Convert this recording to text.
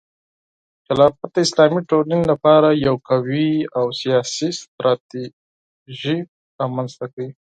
خلافت د اسلامي ټولنې لپاره یو قوي او سیاسي ستراتیژي رامنځته کوي.